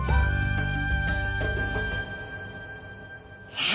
さあ